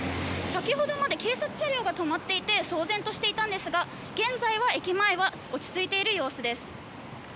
先ほどまで警察車両が止まっていて騒然としていたんですが現在は駅前は落ち着いている様子です。